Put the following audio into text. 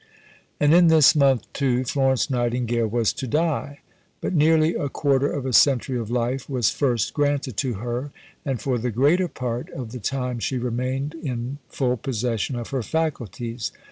And in this month, too, Florence Nightingale was to die; but nearly a quarter of a century of life was first granted to her, and for the greater part of the time she remained in full possession of her faculties.